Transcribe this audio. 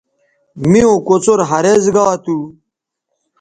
میوں کوڅر ھریز گا تھو